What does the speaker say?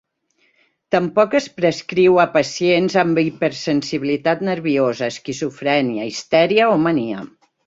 Tampoc es prescriu a pacients amb hipersensibilitat nerviosa, esquizofrènia, histèria o mania.